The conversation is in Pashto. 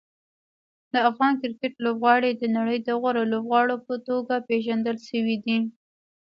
د افغان کرکټ لوبغاړي د نړۍ د غوره لوبغاړو په توګه پېژندل شوي دي.